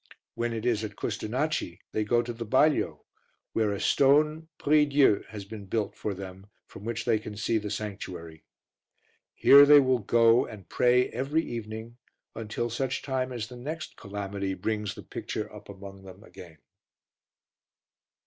When it is at Custonaci they go to the balio, where a stone prie Dieu has been built for them from which they can see the sanctuary. Here they will go and pray every evening until such time as the next calamity brings the picture up among them again.